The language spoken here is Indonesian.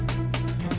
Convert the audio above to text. aku mau berjalan